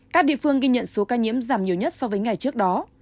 các địa phương ghi nhận số ca nhiễm giảm nhiều nhất so với ngày trước đó